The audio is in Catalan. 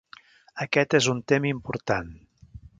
Aquest és un tema important.